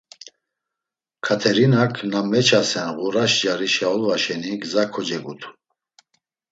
Katerinak na meçasen ğuraş carişa olva şeni gzas kocegutu.